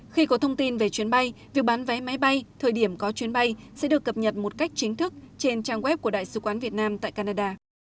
khi có thông tin về chuyến bay việc bán vé máy bay thời điểm có chuyến bay sẽ được cập nhật một cách chính thức trên trang web của đại sứ quán việt nam tại canada